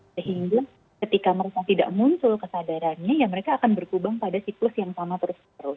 sehingga ketika mereka tidak muncul kesadarannya ya mereka akan berkubang pada siklus yang sama terus terus